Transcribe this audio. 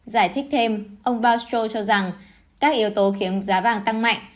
giải thích thêm ông baustro cho rằng các yếu tố khiến giá vàng tăng mạnh